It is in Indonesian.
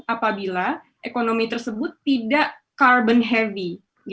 apabila ekonomi tersebut tidak carbon heavy